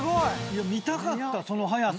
見たかったその早さ。